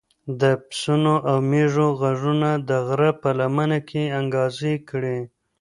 د پسونو او مېږو غږونه د غره په لمنه کې انګازې کړې.